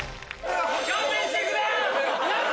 勘弁してくれよ！